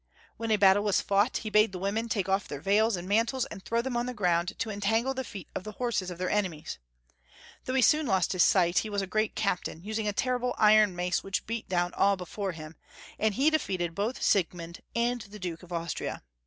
When a battle was fought, he bade the women take off their veils and mantles and throw them on the ground to entangle the feet of the horses of their enemies. Though he soon lost his sight, he was a great captain, using a terrible iron mace which beat down all before liim, and he defeated both Siegmund and the Duke of Austria.